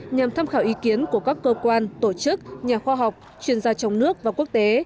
nhằm tham khảo ý kiến của các cơ quan tổ chức nhà khoa học chuyên gia trong nước và quốc tế